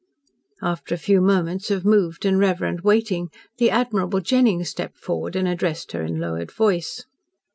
After a few moments of moved and reverent waiting, the admirable Jennings stepped forward and addressed her in lowered voice.